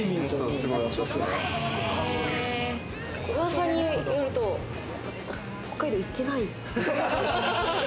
噂によると、北海道行ってない。